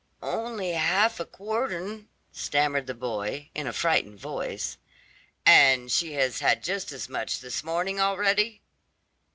"Only half a quartern," stammered the boy in a frightened voice. "And she has had just as much this morning already?"